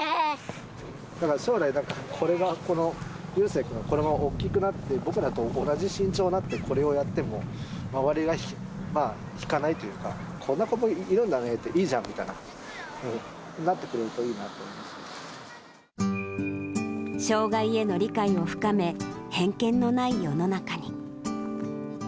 将来、これが、この悠青君が大きくなって、僕らと同じ身長になって、これをやっても、周りが引かないというか、こんな子もいるんだね、いいじゃんみたいな、障がいへの理解を深め、偏見のない世の中に。